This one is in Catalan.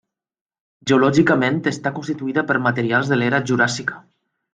Geològicament està constituïda per materials de l'era juràssica.